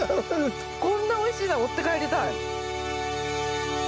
こんなおいしいなら持って帰りたい。